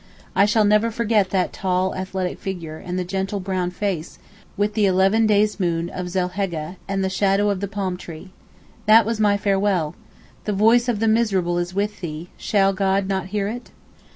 I shall never forget that tall athletic figure and the gentle brown face, with the eleven days' moon of Zulheggeh, and the shadow of the palm tree. That was my farewell. 'The voice of the miserable is with thee, shall God not hear it?